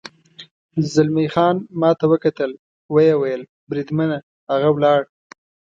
زلمی خان ما ته وکتل، ویې ویل: بریدمنه، هغه ولاړ.